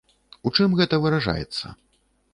У чым гэта выражаецца?